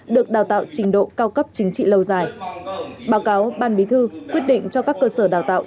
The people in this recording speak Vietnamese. được đào tạo trình độ cao cấp chính trị lâu dài báo cáo ban bí thư quyết định cho các cơ sở đào tạo